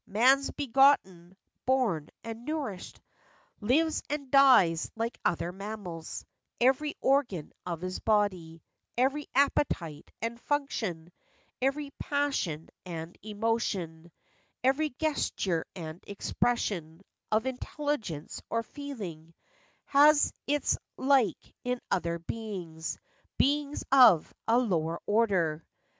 Man's begotten, born, and nourished, Lives and dies like other mammals j Every organ of his body, Every appetite and function, Every passion and emotion, 66 FACTS AND FANCIES. Every gesture and expression Of intelligence or feeling, Has its like in other beings, Beings of a lower order.